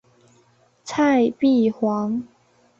蔡璧煌。